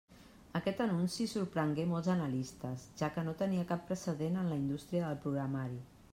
Aquest anunci sorprengué molts analistes, ja que no tenia cap precedent en la indústria del programari.